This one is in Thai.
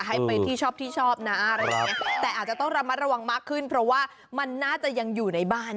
ให้ไปที่ชอบที่ชอบนะอะไรอย่างเงี้ยแต่อาจจะต้องระมัดระวังมากขึ้นเพราะว่ามันน่าจะยังอยู่ในบ้าน